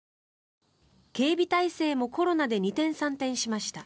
警備態勢もコロナで二転三転しました。